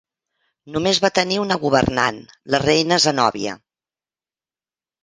Només va tenir una governant, la reina Zenòbia.